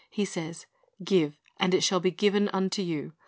He says, •♦ Give, and it shall be given unto you."